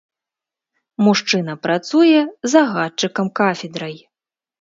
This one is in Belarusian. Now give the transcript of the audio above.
Мужчына працуе загадчыкам кафедрай.